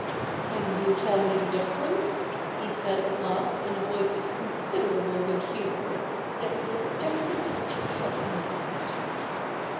' Can you tell me the difference ?' he said at last in a voice of considerable good humour, yet with just a touch of sharpness in it.